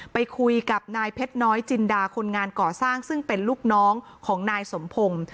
ไปคุยกับนายเพชรน้อยจินดาคนงานก่อสร้างซึ่งเป็นลูกน้องของนายสมพงศ์